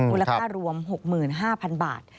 อุณหาค่ารวม๖๕๐๐๐บาท